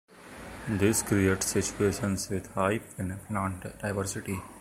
This creates situations with high plant diversity.